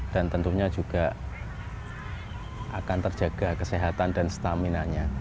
dan tentunya juga akan terjaga kesehatan dan stamina nya